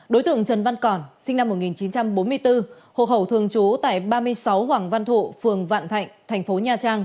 đối tượng trần văn còn sinh năm một nghìn chín trăm bốn mươi bốn hộ khẩu thường trú tại ba mươi sáu hoàng văn thụ phường vạn thạnh thành phố nha trang